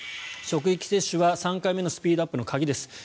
職域接種は３回目のスピードアップの鍵です。